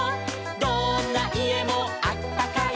「どんないえもあったかい」